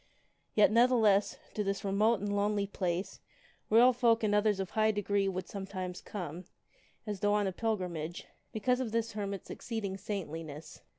Yet, ne'theless, to this remote and lonely place royal folk and others of high degree would sometimes come, as though on a pil grimage, because of the hermit's exceeding saintliness.